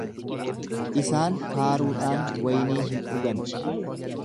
Isaan faaruudhaan waynii hin dhugan.